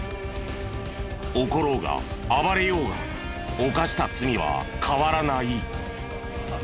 怒ろうが暴れようが犯した罪は変わらない。